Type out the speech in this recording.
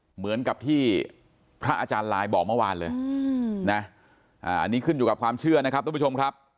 เหมือนกับที่พระอาจารย์ลายบอกเมื่อวานเลยนะอันนี้ขึ้นอยู่กับความเชื่อนะครับทุกผู้ชมครับ